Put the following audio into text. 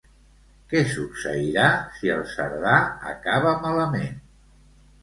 Què succeiria si el Cerdà acaba malament?